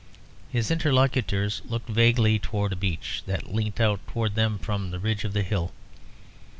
His interlocutors looked vaguely towards a beech that leant out towards them from the ridge of the hill.